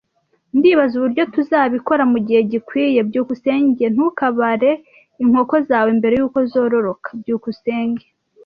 Ndibaza uburyo tuzabikora mugihe gikwiye. byukusenge Ntukabare inkoko zawe mbere yuko zororoka. byukusenge